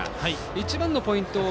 一番のポイント